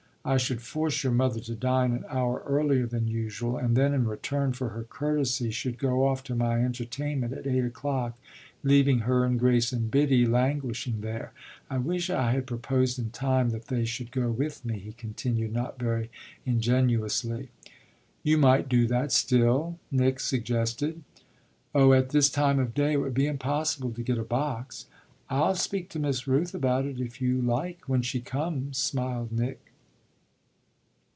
"I should force your mother to dine an hour earlier than usual and then in return for her courtesy should go off to my entertainment at eight o'clock, leaving her and Grace and Biddy languishing there. I wish I had proposed in time that they should go with me," he continued not very ingenuously. "You might do that still," Nick suggested. "Oh at this time of day it would be impossible to get a box." "I'll speak to Miss Rooth about it if you like when she comes," smiled Nick.